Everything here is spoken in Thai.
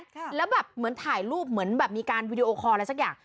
ค่ะแล้วแบบเหมือนถ่ายรูปเหมือนแบบมีการวีดีโอคอลอะไรสักอย่าง